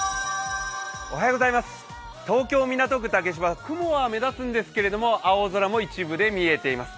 東京・港区竹芝、雲は目立つんですけれども青空も一部で見えています。